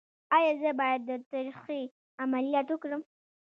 ایا زه باید د تریخي عملیات وکړم؟